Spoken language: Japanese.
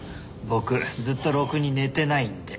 僕ずっとろくに寝てないんで。